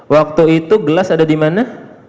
waktu itu gelas ada di mana